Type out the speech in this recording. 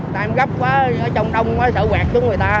tại em gấp quá ở trong đông quá sợ quẹt chúng người ta